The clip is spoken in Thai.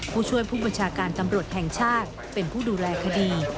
ผู้ช่วยผู้บัญชาการตำรวจแห่งชาติเป็นผู้ดูแลคดี